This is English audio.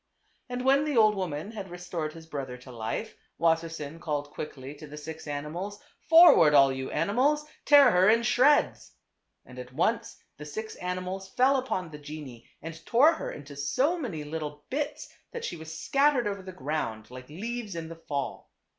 And when the old woman had restored his brother to life, Wassersein called quickly to the six animals, " Forward, all yt>u animals ; tear her in shreds !" And at once the six animals fell upon the genie and tore her into so many little bits that she was scattered over the ground like leaves in the fall.